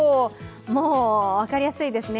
もう分かりやすいですね。